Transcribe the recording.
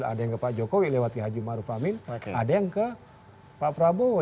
ada yang ke pak jokowi lewat ki haji maruf amin ada yang ke pak prabowo